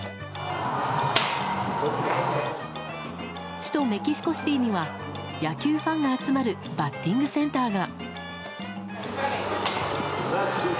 首都メキシコシティーには野球ファンが集まるバッティングセンターが。